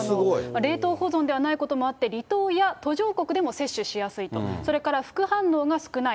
冷凍保存ではないこともあって、離島や途上国でも接種しやすいと、それから副反応が少ない。